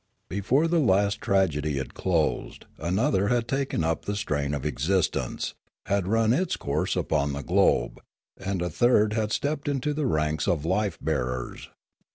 Before the last tragedy had closed, another had taken up the strain of existence, had run its course upon the globe, and a third had stepped into the ranks of life bearers.